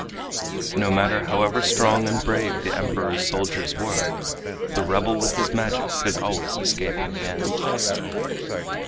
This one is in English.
No matter however strong and brave the Emperor's soldiers were, the rebel with his magic could always escape in the end.